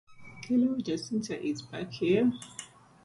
It is found on islands of the coast of east Africa.